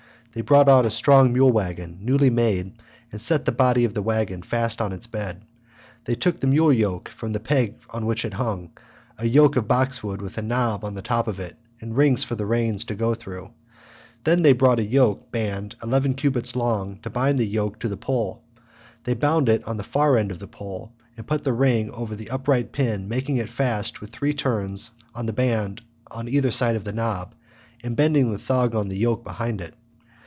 They brought out a strong mule waggon, newly made, and set the body of the waggon fast on its bed. They took the mule yoke from the peg on which it hung, a yoke of boxwood with a knob on the top of it and rings for the reins to go through. Then they brought a yoke band eleven cubits long, to bind the yoke to the pole; they bound it on at the far end of the pole, and put the ring over the upright pin making it fast with three turns of the band on either side the knob, and bending the thong of the yoke beneath it.